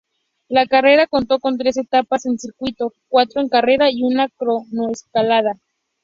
La carrera contó con tres etapas en circuito, cuatro en carretera y una cronoescalada.